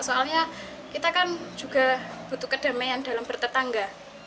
soalnya kita kan juga butuh kedamaian dalam bertetangga